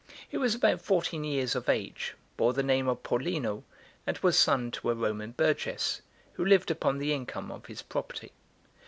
He was about fourteen years of age, bore the name of Paulino, and was son to a Roman burgess, who lived upon the income of his property.